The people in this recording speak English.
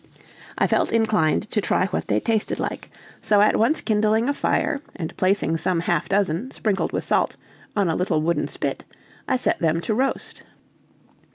I felt inclined to try what they tasted like; so at once kindling a fire, and placing some half dozen, sprinkled with salt, on a little wooden spit, I set them to roast.